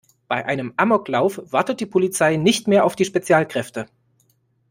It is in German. Bei einem Amoklauf wartet die Polizei nicht mehr auf die Spezialkräfte.